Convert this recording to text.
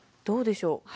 どうでしょう？